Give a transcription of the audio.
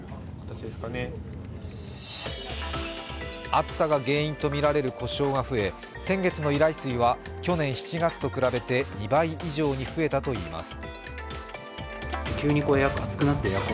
暑さが原因とみられる故障が増え先月の依頼数は去年７月と比べて２倍以上に増えたといいます。